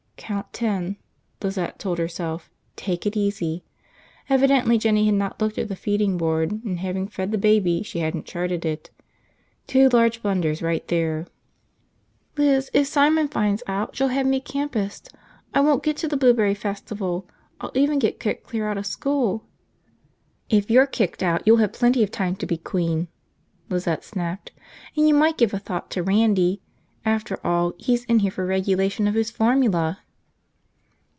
Count ten, Lizette told herself, take it easy. Evidently Jinny had not looked at the feeding board; and having fed the baby, she hadn't charted it. Two large blunders right there. "Liz, if Simon finds out she'll have me campused! I won't get to the Blueberry Festival! I'll even get kicked clear out of school!" "If you're kicked out you'll have plenty of time to be queen!" Lizette snapped. "And you might give a thought to Randy. After all, he's in here for regulation of his formula!"